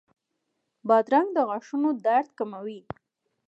بادرنګ د غاښونو درد کموي.